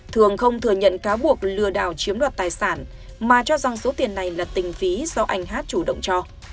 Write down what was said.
thường không thừa nhận cáo buộc lừa đảo chiếm đoạt tài sản mà cho rằng số tiền này là tình phí do anh hát chủ động cho